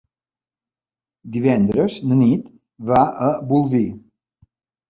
Divendres na Nit va a Bolvir.